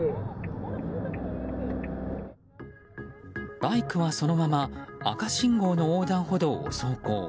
バイクはそのまま赤信号の横断歩道を走行。